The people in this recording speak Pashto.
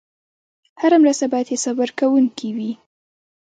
هره مرسته باید حسابورکونکې وي.